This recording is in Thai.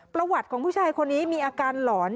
ประวัติของผู้ชายคนนี้มีอาการหลอน